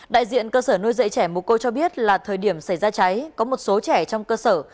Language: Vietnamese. đại diện cơ sở nuôi dạy trẻ mồ cô cho biết là thời điểm xảy ra cháy có một số trẻ trong cơ sở